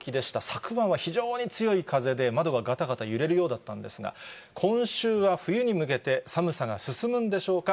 昨晩は非常に強い風で、窓ががたがた揺れるようだったんですが、今週は冬に向けて寒さが進むんでしょうか。